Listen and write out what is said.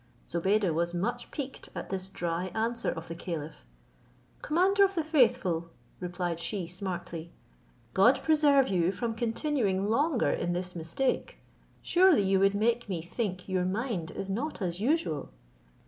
Zobeide was much piqued at this dry answer of the caliph. "Commander of the faithful," replied she smartly, "God preserve you from continuing longer in this mistake, surely you would make me think your mind is not as usual.